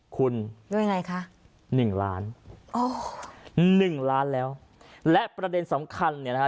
คุณด้วยไงคะหนึ่งล้านอ๋อหนึ่งล้านแล้วและประเด็นสำคัญเนี่ยนะฮะ